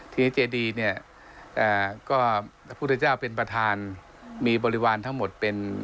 ทีนี้เจดีเนี่ยก็พระพุทธเจ้าเป็นประธานมีบริวารทั้งหมดเป็น